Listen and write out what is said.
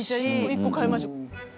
１個買いましょう。